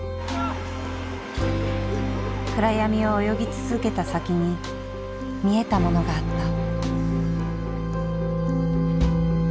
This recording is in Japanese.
暗闇を泳ぎ続けた先に見えたものがあった。